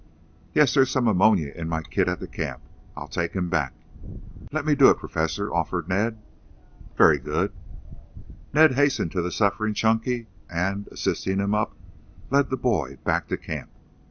"Yes, there's some ammonia in my kit at the camp. I'll take him back." "Let me do it, Professor," offered Ned. "Very good." Ned hastened to the suffering Chunky and, assisting him up, led the boy back to the camp.